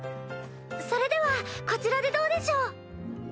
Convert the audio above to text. それではこちらでどうでしょう？